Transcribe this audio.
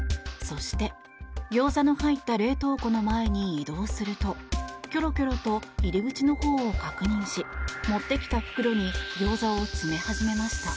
そして、ギョーザの入った冷凍庫の前に移動するとキョロキョロと入り口のほうを確認し持ってきた袋にギョーザを詰め始めました。